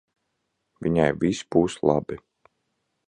Viņai viss būs labi.